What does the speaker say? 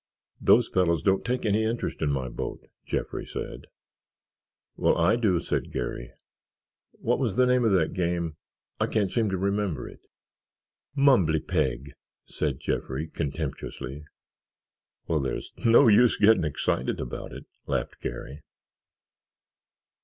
"Those fellows don't take any interest in my boat," Jeffrey said. "Well, I do," said Garry, "what was the name of that game? I can't seem to remember it." "Mumbly peg," said Jeffrey, contemptuously. "Well, there's no use getting excited about it," laughed Garry.